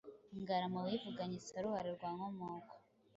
Ngarama wivuganye Saruhara rwa Nkomokomo,